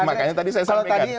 makanya tadi saya sampaikan